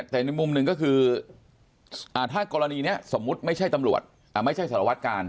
แต่ในมุมหนึ่งก็คือถ้ากรณีนี้สมมุติไม่ใช่ตำรวจไม่ใช่สารวัตการ